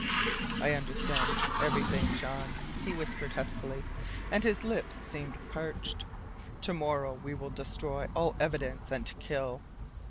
"I understand everything, Jean," he whispered huskily, and his lips seemed parched. "To morrow, we will destroy all evidence, and kill.